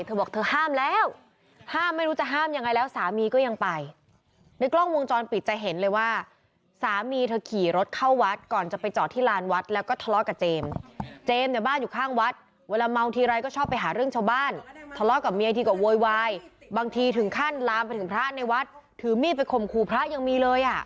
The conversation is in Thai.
เธอบอกเธอห้ามแล้วห้ามไม่รู้จะห้ามยังไงแล้วสามีก็ยังไปในกล้องวงจรปิดจะเห็นเลยว่าสามีเธอขี่รถเข้าวัดก่อนจะไปจอดที่ลานวัดแล้วก็ทะเลาะกับเจมส์เจมส์เนี่ยบ้านอยู่ข้างวัดเวลาเมาทีไรก็ชอบไปหาเรื่องชาวบ้านทะเลาะกับเมียทีก็โวยวายบางทีถึงขั้นลามไปถึงพระในวัดถือมีดไปข่มขู่พระยังมีเลยอ่ะ